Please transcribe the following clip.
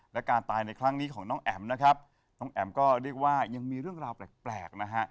และการตายในครั้งนี้ของน้องแอ๋มนะครับน้องแอ๋มก็เรียกว่ายังมีเรื่องราวแปลกนะฮะ